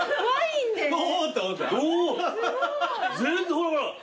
ほらほら。